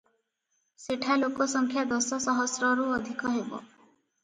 ସେଠା ଲୋକସଂଖ୍ୟା ଦଶ ସହସ୍ରରୁ ଅଧିକ ହେବ ।